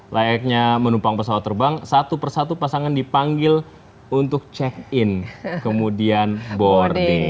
layaknya menumpang pesawat terbang satu persatu pasangan dipanggil untuk check in kemudian boarding